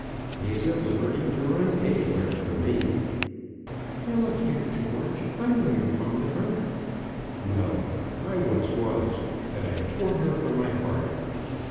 "He's at liberty to run anywhere for me." "Now, look here, George. I know you're fond of her." "No. I was once; but I've torn her from my heart."